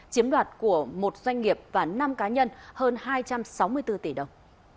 chiếm đoạt của một doanh nghiệp và năm cá nhân hơn hai trăm sáu mươi bốn tỷ đồng